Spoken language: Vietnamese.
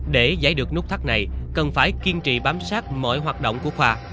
để giải được nút thắt này cần phải kiên trì bám sát mọi hoạt động của khoa